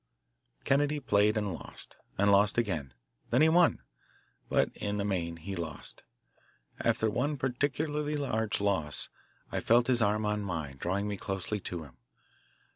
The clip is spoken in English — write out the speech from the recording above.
Kennedy played and lost, and lost again; then he won, but in the main he lost. After one particularly large loss I felt his arm on mine, drawing me closely to him.